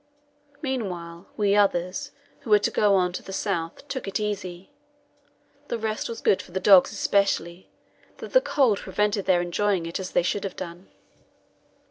Meanwhile, we others, who were to go on to the south, took it easy. The rest was good for the dogs especially, though the cold prevented their enjoying it as they should have done.